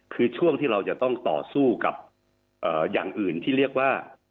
คือช่วงที่เราจะต้องต่อสู้กับอย่างอื่นที่เรียกว่า